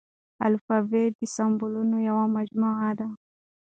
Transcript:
الفبې د سمبولونو يوه مجموعه ده.